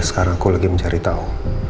sekarang aku lagi mencari tahu